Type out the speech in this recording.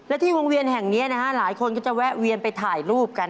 และที่วงเวียนแห่งนี้นะฮะหลายคนก็จะแวะเวียนไปถ่ายรูปกัน